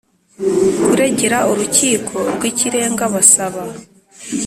Kuregera urukiko rw ikirenga basaba